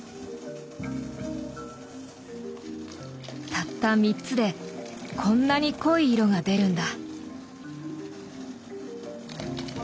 たった３つでこんなに濃い色が出るんだ。